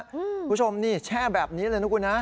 คุณผู้ชมนี่แช่แบบนี้เลยนะคุณนะ